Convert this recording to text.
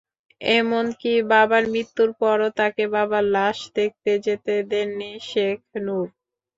এমনকি বাবার মৃত্যুর পরও তাঁকে বাবার লাশ দেখতে যেতে দেননি শেখ নূর।